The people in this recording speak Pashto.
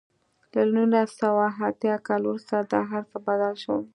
له نولس سوه اتیا کال وروسته دا هر څه بدل شول.